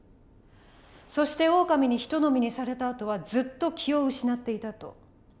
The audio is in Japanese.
そしてオオカミにひと呑みにされたあとはずっと気を失っていたとそう言ってましたね？